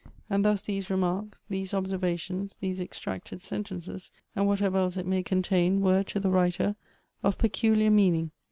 And thus these remarks, these observations, these extracted sentences, and what ever else it may contain, were, to the writer, of peculiar meaning.